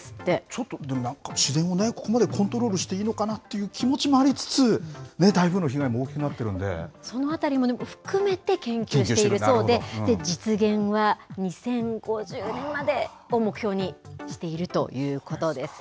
ちょっと、でも、なんか自然をね、ここまでコントロールしていいのかなって気持ちもありつつ、台風そのあたりも含めて研究しているそうで、実現は２０５０年までを目標にしているということです。